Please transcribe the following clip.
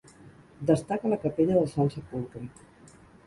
Destaca la capella del Sant Sepulcre.